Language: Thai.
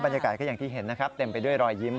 บรรยากาศก็อย่างที่เห็นนะครับเต็มไปด้วยรอยยิ้ม